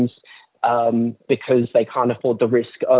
karena mereka tidak dapat menanggung risiko